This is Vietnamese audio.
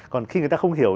còn khi người ta không hiểu